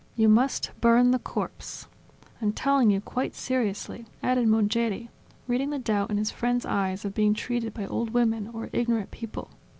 You must burn the corpse. I'm telling you quite seriously," added Mongeri, reading the doubt in his friend's eyes of being treated by old women or ignorant people.